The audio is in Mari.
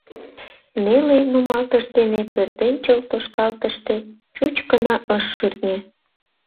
Неле нумалтыш дене пӧртӧнчыл тошкалтыште чуч гына ыш шӱртньӧ.